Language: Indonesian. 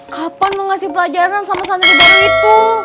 kapan mau ngasih pelajaran sama santri terbaru itu